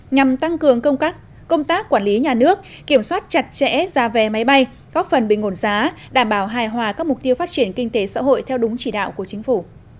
nhằm tăng cường công tác quản lý nhà nước kiểm soát chặt chẽ giá vé máy bay góp phần bình ổn giá đảm bảo hài hòa các mục tiêu phát triển kinh tế xã hội theo đúng chỉ đạo của chính phủ